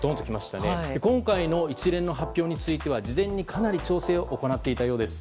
今回の一連の発表については事前に、かなりの調整を行っていたようです。